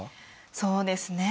そうですね。